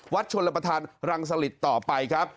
วัดชนรปธานรังสลิตต่อไปครับ